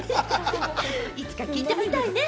いつか聴いてみたいね。